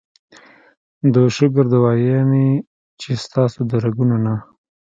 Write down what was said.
د شوګر دوايانې چې ستاسو د رګونو نه